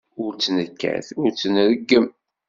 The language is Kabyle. Ur tt-nekkat ur tt-nreggem.